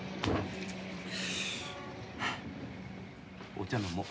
お茶飲もう。